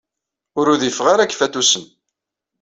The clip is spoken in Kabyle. Ur udifeɣ ara deg yifatusen.